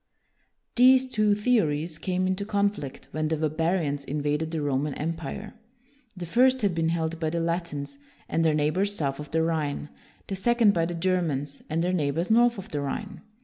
These two theories came into conflict when the barbarians invaded the Roman Empire. The first had been held by the Latins and their neighbors south of the Rhine; the second by the Germans and their neighbors north of the Rhine.